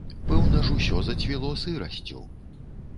Пэўна ж усё зацвіло сырасцю.